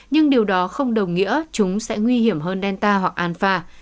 nhưng điều đó không đồng nghĩa chúng sẽ nguy hiểm hơn delta hoặc alpha